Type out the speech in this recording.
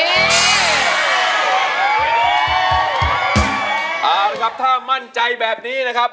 เอาละครับถ้ามั่นใจแบบนี้นะครับ